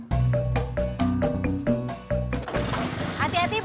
cukup demi tadi milih kita